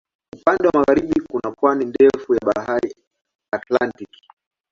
Upande wa magharibi kuna pwani ndefu ya Bahari Atlantiki.